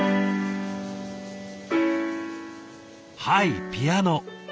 はいピアノ。